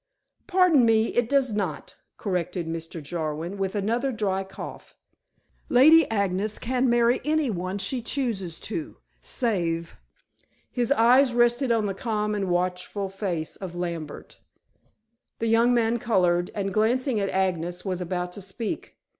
"Pardon me, it does not," corrected Mr. Jarwin, with another dry cough. "Lady Agnes can marry any one she chooses to, save " His eyes rested on the calm and watchful face of Lambert. The young man colored, and glancing at Agnes, was about to speak.